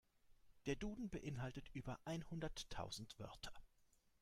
Der Duden beeinhaltet über einhunderttausend Wörter.